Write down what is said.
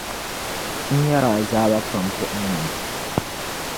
n nyari azaaba pam buɣim ŋɔ ni.